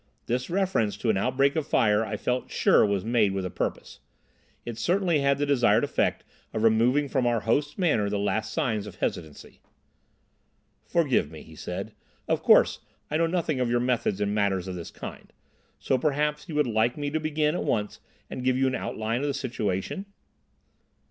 This reference to an outbreak of fire I felt sure was made with a purpose. It certainly had the desired effect of removing from our host's manner the last signs of hesitancy. "Forgive me," he said. "Of course, I know nothing of your methods in matters of this kind—so, perhaps, you would like me to begin at once and give you an outline of the situation?"